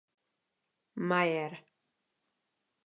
Meyer.